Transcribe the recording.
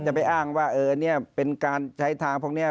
ไปอ้างว่าเป็นการใช้ทางพวกนี้